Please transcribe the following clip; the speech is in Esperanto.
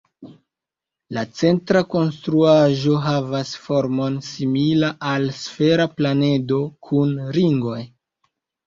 La centra konstruaĵo havas formon simila al sfera planedo kun ringoj.